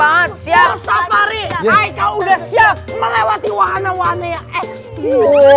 ustadz fahri hai kau udah siap melewati wahana wahana yang enak